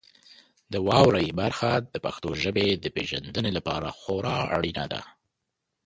د واورئ برخه د پښتو ژبې د پیژندنې لپاره خورا اړینه ده.